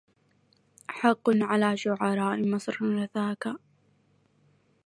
حق على شعراء مصر رثاكا